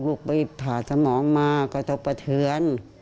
ลูกไปผ่าสมองมากระทบกระเทือน